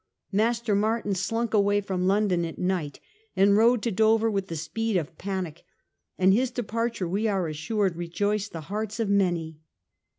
Master Martin slunk away from London at night and rode to Dover with the speed of panic. And his departure, we are assured, rejoiced the hearts of many.